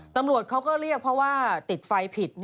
ตำรวจเขาก็เรียกเพราะว่าติดไฟผิด